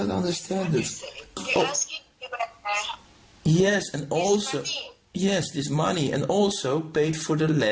คุณขอโทษนะครับในเมืองรุ่นนี้